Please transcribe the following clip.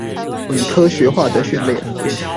以科學化的訓練